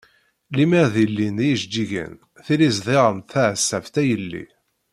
Limer di llin yijeǧǧigen tili ẓdiɣ-am-d taɛeṣṣabt a yelli.